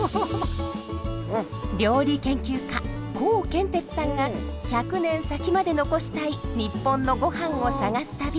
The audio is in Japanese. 料理研究家コウケンテツさんが１００年先まで残したい日本のゴハンを探す旅。